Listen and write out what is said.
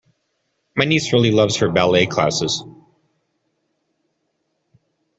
My niece really loves her ballet classes